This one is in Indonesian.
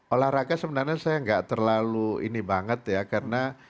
olahraga sebenarnya saya nggak terlalu ini banget ya karena